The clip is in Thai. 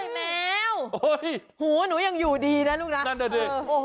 แมวหนูยังอยู่ดีนะลูกน้ำโอ้โหตลาดเจริญ